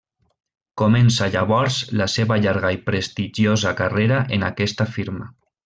Comença llavors la seva llarga i prestigiosa carrera en aquesta firma.